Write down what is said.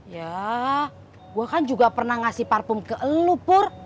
ya gua kan juga pernah ngasih parfum ke elu pur